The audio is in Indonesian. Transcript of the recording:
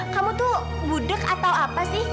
kamu tuh gudeg atau apa sih